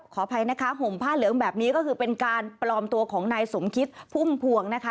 ขออภัยนะคะห่มผ้าเหลืองแบบนี้ก็คือเป็นการปลอมตัวของนายสมคิดพุ่มพวงนะคะ